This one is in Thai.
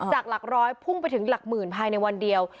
จากหลักร้อยพุ่งไปถึงหลักหมื่นภายในวันเดียว